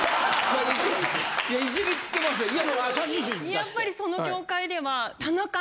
やっぱりその業界では。